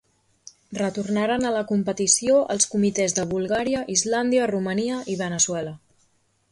Retornaren a la competició els comitès de Bulgària, Islàndia, Romania i Veneçuela.